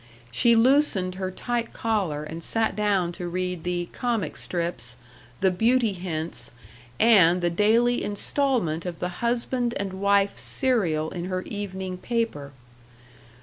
She loosened her tight collar and sat down to read the "comic strips," the "Beauty Hints," and the daily instalment of the husband and wife serial in her evening paper.